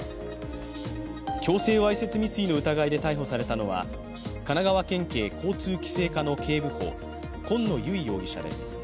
強制わいせつ未遂の疑いで逮捕されたのは神奈川県警交通規制課の警部補、今野由惟容疑者です。